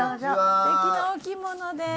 すてきなお着物で。